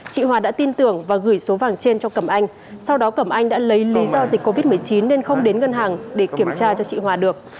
chị hòa đã tin tưởng và gửi số vàng trên cho cẩm anh sau đó cẩm anh đã lấy lý do dịch covid một mươi chín nên không đến ngân hàng để kiểm tra cho chị hòa được